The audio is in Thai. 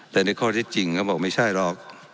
แต่ในข้อที่จริงเขาบอกไม่ใช่หรอก